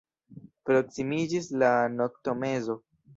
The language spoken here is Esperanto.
Proksimiĝis la noktomezo.